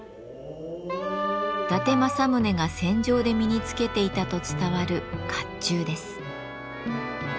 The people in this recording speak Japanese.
伊達政宗が戦場で身につけていたと伝わる甲冑です。